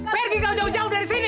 pergi kau jauh jauh dari sini